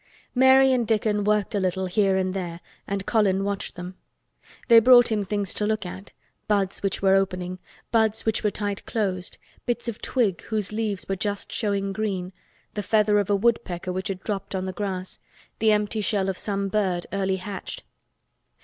Mary and Dickon worked a little here and there and Colin watched them. They brought him things to look at—buds which were opening, buds which were tight closed, bits of twig whose leaves were just showing green, the feather of a woodpecker which had dropped on the grass, the empty shell of some bird early hatched.